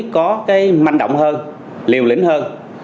có cái manh động hơn liều lĩnh hơn